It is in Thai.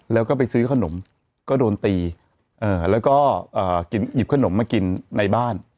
แล้วก็ไปซื้อขนมก็โดนตีแล้วก็หยิบขนมมากินในบ้าน